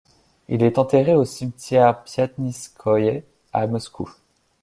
Il est enterré au cimetière Piatnitskoïe, à Moscou.